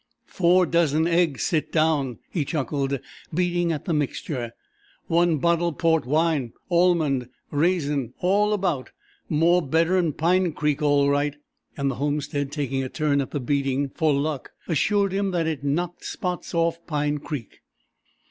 "Four dozen egg sit down," he chuckled, beating at the mixture. "One bottle port wine, almond, raisin, all about, more better'n Pine Creek all right"; and the homestead taking a turn at the beating "for luck," assured him that it "knocked spots off Pine Creek."